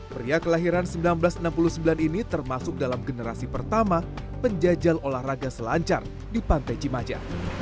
pria kelahiran seribu sembilan ratus enam puluh sembilan ini termasuk dalam generasi pertama penjajal olahraga selancar di pantai cimaja